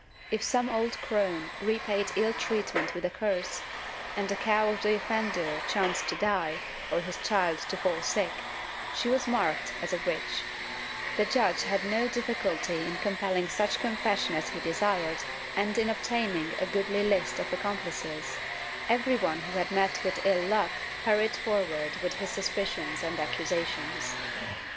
If some old crone repaid ill treatment with a curse, and the cow of the offender chanced to die or his child to fall sick, she was marked as a witch; the judge had no difficulty in compelhng such confes sion as he desired and in obtaining a goodly fist of accomplices; everyone who had met with ill luck hurried forward with his sus picions and accusations.